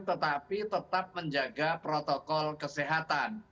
tetapi tetap menjaga protokol kesehatan